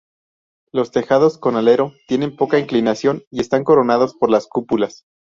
Los tejados con alero tienen poca inclinación y están coronados por las cúpulas.